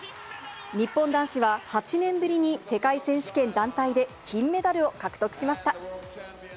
日本男子は８年ぶりに世界選手権団体で金メダルを獲得しました。